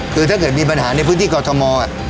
คือถ้าเกิดมีปัญหาในพื้นที่กรทม